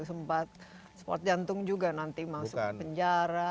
sempat sport jantung juga nanti masuk penjara